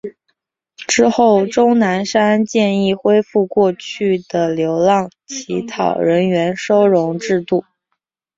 之后钟南山建议恢复过去的流浪乞讨人员收容制度。